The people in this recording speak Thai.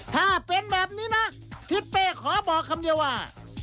ถ้าเป็นแบบนี้นะทิศเป้ขอบอกคำเดียวว่า